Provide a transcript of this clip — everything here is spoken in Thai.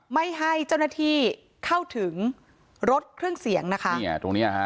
ไม่ให้เจ้าหน้าที่เข้าถึงรถเครื่องเสี่ยงนะคะ